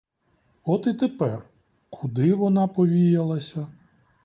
От і тепер: куди вона повіялася?